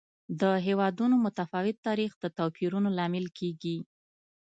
د هېوادونو متفاوت تاریخ د توپیرونو لامل کېږي.